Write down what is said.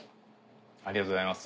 ありがとうございます。